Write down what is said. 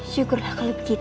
yukulah kalau begitu